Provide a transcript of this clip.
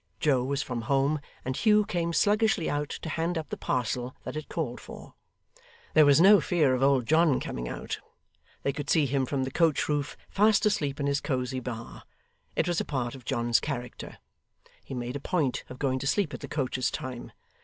Joe was from home, and Hugh came sluggishly out to hand up the parcel that it called for. There was no fear of old John coming out. They could see him from the coach roof fast asleep in his cosy bar. It was a part of John's character. He made a point of going to sleep at the coach's time.